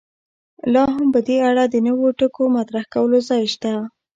لا هم په دې اړه د نویو ټکو مطرح کولو ځای شته.